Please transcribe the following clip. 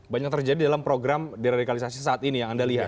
banyak terjadi dalam program deradikalisasi saat ini yang anda lihat